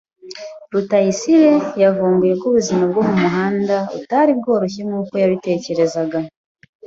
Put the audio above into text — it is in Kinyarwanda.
Rutayisire yavumbuye ko ubuzima bwo mumuhanda butari bworoshye nkuko yabitekerezaga.